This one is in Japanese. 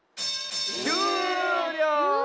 しゅうりょう。